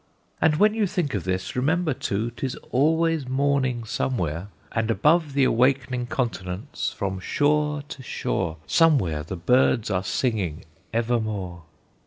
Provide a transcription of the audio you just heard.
And when you think of this, remember too 'Tis always morning somewhere, and above The awakening continents, from shore to shore, Somewhere the birds are singing evermore.